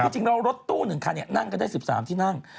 จริงเรารถตู้หนึ่งคันเนี่ยนั่งก็ได้๑๓ที่นั่ง